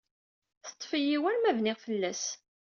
Teṭṭef-iyi war ma bniɣ fell-as.